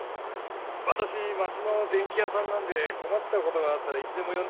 私町の電器屋さんなんで困った事があったらいつでも呼んでください。